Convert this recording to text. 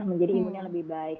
menjadi imunnya lebih baik